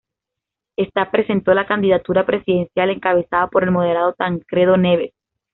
Esta presentó la candidatura presidencial encabezada por el moderado Tancredo Neves.